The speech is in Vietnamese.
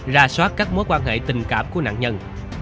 ra soát các mối quan hệ tình cảm của nạn nhân